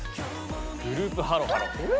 グループハロハロ。